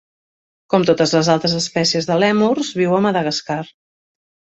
Com totes les altres espècies de lèmurs, viu a Madagascar.